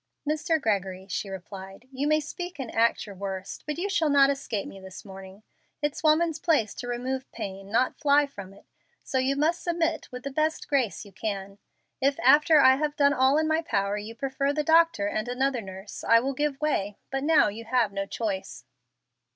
"Mr. Gregory," she replied, "you may speak and act your worst, but you shall not escape me this morning. It's woman's place to remove pain, not fly from it. So you must submit with the best grace you can. If after I have done all in my power you prefer the doctor and another nurse, I will give way, but now you have no choice."